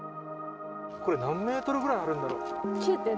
これ何メートルくらいあるんだろう。